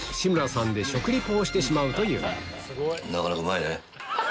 なかなかうまいね。